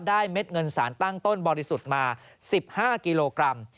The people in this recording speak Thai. เม็ดเงินสารตั้งต้นบริสุทธิ์มา๑๕กิโลกรัม